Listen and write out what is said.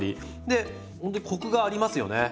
でほんとにコクがありますよね。